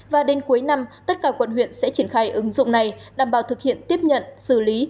và đến cuối năm tất cả quận huyện sẽ triển khai ứng dụng này đảm bảo thực hiện tiếp nhận xử lý